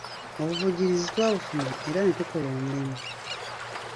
Obuvujjirizi twabufuna era ne tukola omulimu.